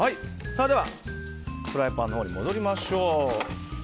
ではフライパンに戻りましょう。